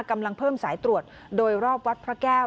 กำลังเพิ่มสายตรวจโดยรอบวัดพระแก้ว